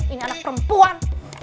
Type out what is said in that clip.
ini anak perempuan